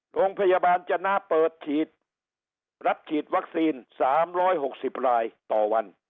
โรงพยาบาลจนะเปิดฉีดรับฉีดวัคซีน๓๖๐รายต่อวัน